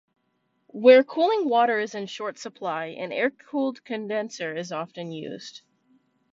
Where cooling water is in short supply, an air-cooled condenser is often used.